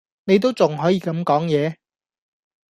你都仲可以咁講野?